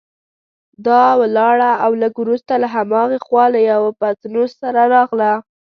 دا ولاړه او لږ وروسته له هماغې خوا له یوه پتنوس سره راغله.